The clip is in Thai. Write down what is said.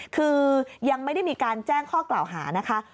คือยังไม่ได้มีการแจ้งข้อกล่าวหานะคะ